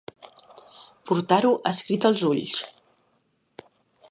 Portar-ho escrit als ulls.